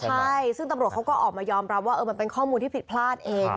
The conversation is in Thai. ใช่ซึ่งตำรวจเขาก็ออกมายอมรับว่ามันเป็นข้อมูลที่ผิดพลาดเอง